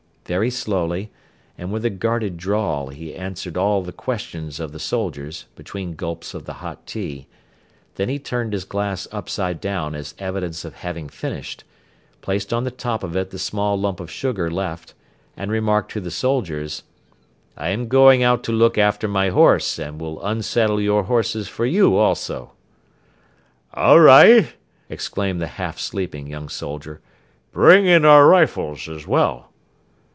Very slowly and with a guarded drawl he answered all the questions of the soldiers between gulps of the hot tea, then he turned his glass upside down as evidence of having finished, placed on the top of it the small lump of sugar left and remarked to the soldiers: "I am going out to look after my horse and will unsaddle your horses for you also." "All right," exclaimed the half sleeping young soldier, "bring in our rifles as well."